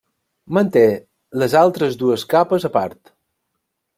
Manté les altres dues capes a part.